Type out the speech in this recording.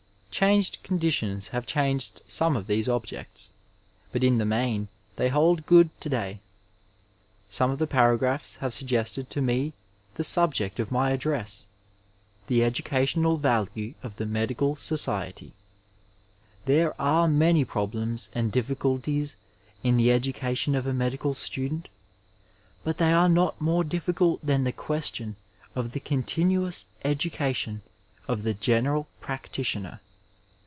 Changed conditions have changed some of these objects, but in the main they hold good to day,' Some of the paragraphs have suggested to me the subject of my address — ^the educational value of the medical society. There are many problems and difficulties in the education of a medical student, but they are not more difficult than the question of the continuous education of 846 Digitized by Google OP THE MEDICAL SOCIETY the general practitioner.